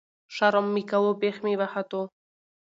ـ شرم مې کوو بېخ مې وختو.